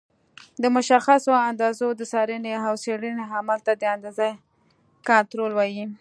د مشخصو اندازو د څارنې او څېړنې عمل ته د اندازې کنټرول وایي.